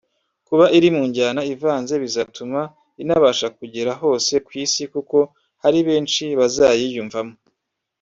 Kuba iri mu njyana ivanze bizatuma inabasha kugera hose ku Isi kuko hari benshi bazayiyumvamo